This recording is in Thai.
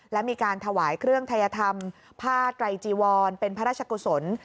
และมีการถวายเครื่องทัยธรรมผ้าไตรจีวรเป็นพระราชกุศล